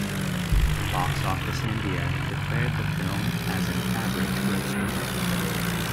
Box Office India declared the film as an average grosser.